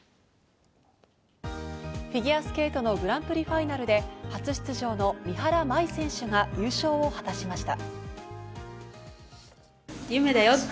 フィギュアスケートのグランプリファイナルで、初出場の三原舞依選手が優勝を果たしました。